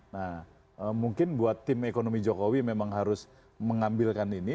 nah mungkin buat tim ekonomi jokowi memang harus mengambilkan ini